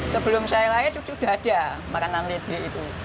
sebelum saya lahir sudah ada makanan lidah itu